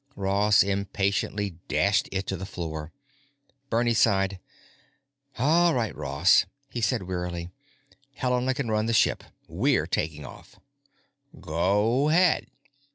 Ross impatiently dashed it to the floor. Bernie sighed. "All right, Ross," he said wearily. "Helena can run the ship; we're taking off." "Go 'head."